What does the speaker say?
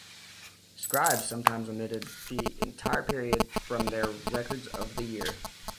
Scribes sometimes omitted the entire period from their records of the year.